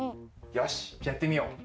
よしやってみよう。